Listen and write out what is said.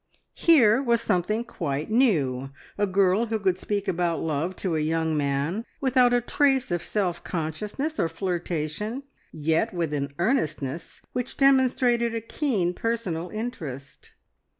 Here was something quite new a girl who could speak about love to a young man without a trace of self consciousness or flirtation, yet with an earnestness which demonstrated a keen personal interest.